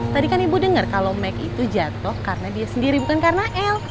tadi kan ibu dengar kalau mac itu jatuh karena dia sendiri bukan karena el